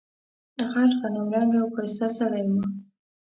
غټ غنم رنګه او ښایسته سړی و.